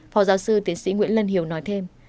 phó giáo sư tiến sĩ nguyễn lân hiếu nói thêm